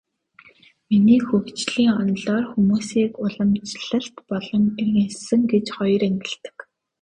Хүний хөгжлийн онолоор хүмүүсийг уламжлалт болон иргэншсэн гэж хоёр ангилдаг.